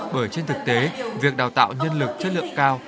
bởi trên thực tế việc đào tạo nhân lực chất lượng cao